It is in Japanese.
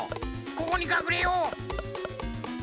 ここにかくれよう！